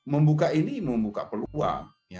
membuka ini membuka peluang